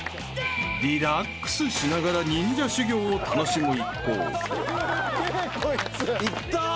［リラックスしながら忍者修行を楽しむ一行］いった。